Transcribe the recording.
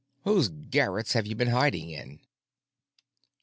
Whose garrets have you been hiding in?"